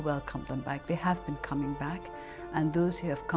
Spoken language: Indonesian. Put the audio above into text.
tidak masalahnya kita akan mengucapkan terima kasih kepada mereka